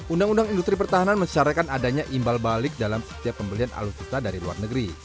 undang undang industri pertahanan mensyaratkan adanya imbal balik dalam setiap pembelian alutsista dari luar negeri